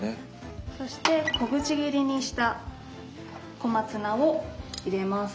そして小口切りにした小松菜を入れます。